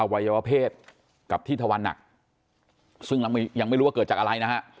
วัยวะเพศกับที่ทวันหนักซึ่งยังไม่รู้ว่าเกิดจากอะไรนะฮะ